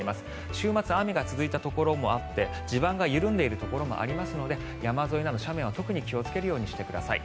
週末、雨が続いたところもあって地盤が緩んでいるところもありますので山沿いなど斜面は特に気をつけるようにしてください。